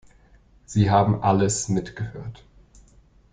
Sie haben alles mitgehört.